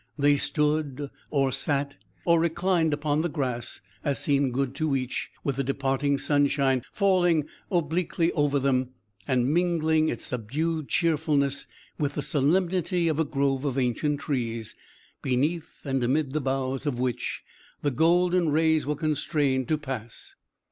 They stood, or sat, or reclined upon the grass, as seemed good to each, with the departing sunshine falling obliquely over them, and mingling its subdued cheerfulness with the solemnity of a grove of ancient trees, beneath and amid the boughs of which the golden rays were constrained to pass.